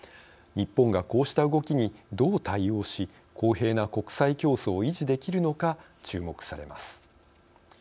日本がこうした動きにどう対応し公平な国際競争を維持できるのか注目されます。